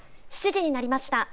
７時になりました。